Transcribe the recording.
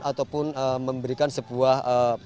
ataupun memberikan sebuah